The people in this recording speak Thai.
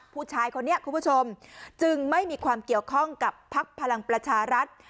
ผู้ชายคนนี้คุณผู้ชมจึงไม่มีความเกี่ยวข้องกับพักพลังประชารัฐ